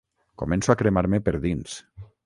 Començo a cremar-me per dins.